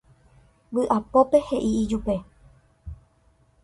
vy'apópe he'i ijupe